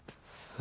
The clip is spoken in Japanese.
え？